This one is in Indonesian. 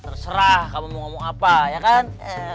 terserah kamu mau ngomong apa ya kan